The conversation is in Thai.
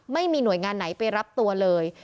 ไม่มีหน่วยงานไหนไปรับตัวเลย